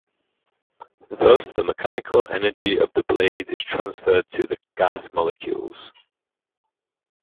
Thus the mechanical energy of the blades is transferred to the gas molecules.